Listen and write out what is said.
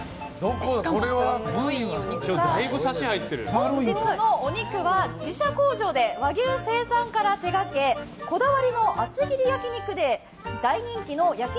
本日のお肉は自社工場で和牛生産から手掛けこだわりの厚切り焼き肉で大人気の焼肉